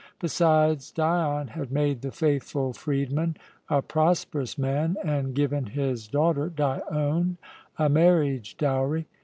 Besides, Dion had made the faithful freedman a prosperous man, and given his daughter, Dione, a marriage dowry.